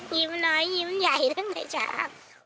ยิ้มน้อยยิ้มใหญ่ทั้งในเช้า